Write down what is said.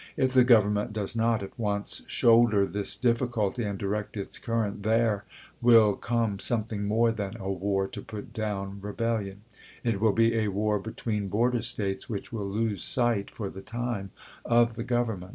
If the Government does not at once shoulder this difficulty and direct its current there will come something more than a war to put down rebellion — it will be a war between border States, which will lose sight, for the time, of the Government.